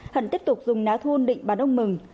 hận tiếp tục dùng ná thun định bàn ông mừng